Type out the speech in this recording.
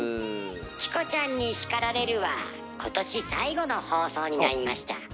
「チコちゃんに叱られる」は今年最後の放送になりました。